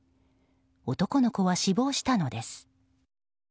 男の子は死亡したのです。